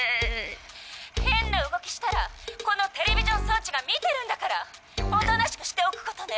変な動きしたらこのテレビジョン装置が見てるんだからおとなしくしておくことね！